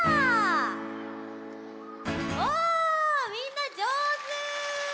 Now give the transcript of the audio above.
おみんなじょうず。